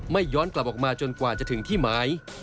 ย้อนกลับออกมาจนกว่าจะถึงที่หมาย